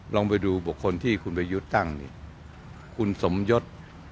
ลองไปดูบุคคลที่คุณประยุทธ์ตั้งนี่คุณสมยศ